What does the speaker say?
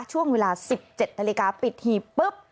ช่วงเวลา๑๗นาฬิกาปิดหีบปุ๊บ